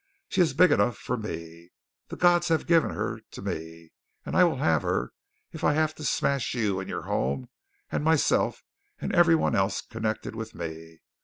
She is big enough for me. The Gods have given her to me, and I will have her if I have to smash you and your home and myself and everyone else connected with me.